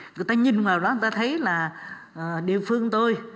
người ta nhìn vào đó người ta thấy là địa phương tôi